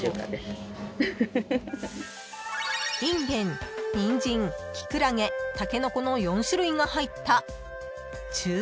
［インゲンニンジンキクラゲタケノコの４種類が入った］